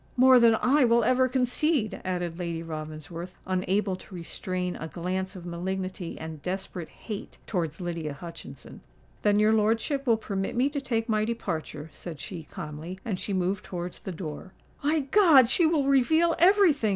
"More than I will ever concede," added Lady Ravensworth, unable to restrain a glance of malignity and desperate hate towards Lydia Hutchinson. "Then your lordship will permit me to take my departure," said she, calmly; and she moved towards the door. "My God! she will reveal every thing!"